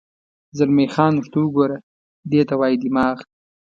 زلمی خان: ورته وګوره، دې ته وایي دماغ.